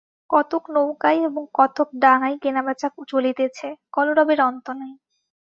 কতক নৌকায় এবং কতক ডাঙায় কেনাবেচা চলিতেছে, কলরবের অন্ত নাই।